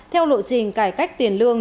theo lộ trình cải cách tiền lương